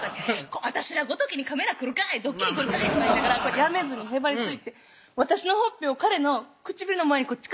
「私らごときにカメラ来るかいドッキリ来るかい」とか言いながらやめずにへばりついて私のほっぺを彼の唇の前に近づけたんですよ